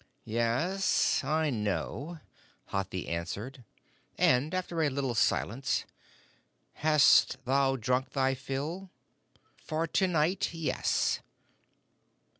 "Yes, I know," Hathi answered; and, after a little silence, "Hast thou drunk thy fill?" "For to night, yes."